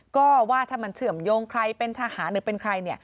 ก็ว่าถ้ามันเชื่อมโยงใครเป็นทหารหรือเป็นใคร